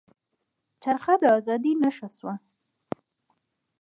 چرخه د ازادۍ نښه شوه.